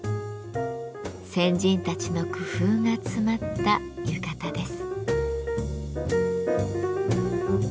先人たちの工夫が詰まった浴衣です。